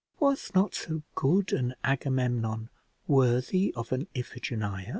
Was not so good an Agamemnon worthy of an Iphigenia?